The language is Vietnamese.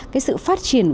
cái sự phát triển